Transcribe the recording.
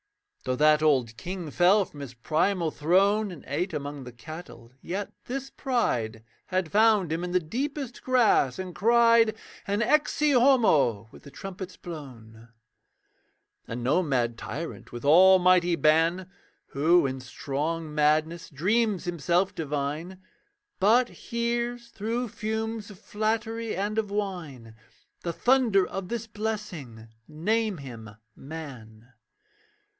Though that old king fell from his primal throne, And ate among the cattle, yet this pride Had found him in the deepest grass, and cried An 'Ecce Homo' with the trumpets blown. And no mad tyrant, with almighty ban, Who in strong madness dreams himself divine, But hears through fumes of flattery and of wine The thunder of this blessing name him man.